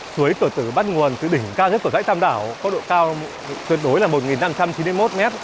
suối cửa tử bắt nguồn từ đỉnh cao nhất của dãy tam đảo có độ cao tương đối là một năm trăm chín mươi một m